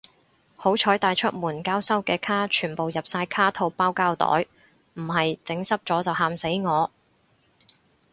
好彩帶出門交收嘅卡全部入晒卡套包膠袋，唔係整濕咗就喊死我